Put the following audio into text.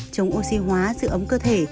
chống oxy hóa dự ống cơ thể